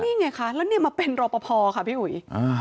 นี่ไงคะแล้วเนี่ยมาเป็นรอปภค่ะพี่อุ๋ย